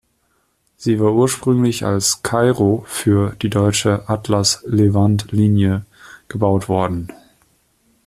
Sie war ursprünglich als "Cairo" für die Deutsche Atlas Levante-Linie gebaut worden.